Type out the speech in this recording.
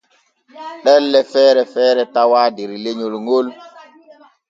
Ɗelle feere feere tawaa der lenyol ŋol.